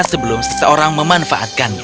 sebelum seseorang memanfaatkannya